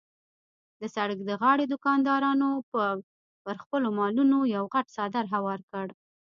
د سړک د غاړې دوکاندارانو به پر خپلو مالونو یو غټ څادر هوار کړ.